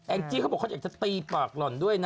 แอ้งจี้เขาบอกว่าเขาจะเจ็บตีปากหล่อนด้วยนะ